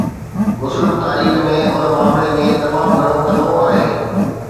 مسلم تاريخ ۾ ان معاملي ۾ تمام گهڻو تنوع آهي.